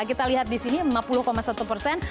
kita lihat di sini lima puluh satu persen